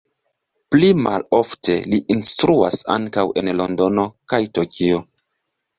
Pli malofte li instruas ankaŭ en Londono kaj Tokio.